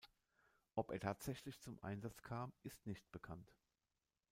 Ob er tatsächlich zum Einsatz kam, ist nicht bekannt.